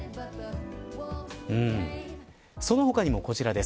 その他にも、こちらです。